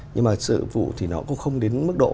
nhưng mà sự vụ thì nó cũng không đến mức độ